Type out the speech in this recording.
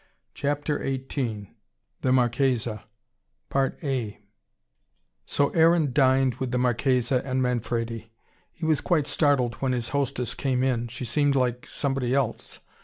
CHAPTER XVIII. THE MARCHESA So Aaron dined with the Marchesa and Manfredi. He was quite startled when his hostess came in: she seemed like somebody else.